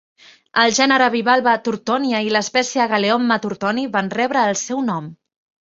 El gènere bivalve "Turtonia" i l'espècie "Galeomma turtoni" van rebre el seu nom.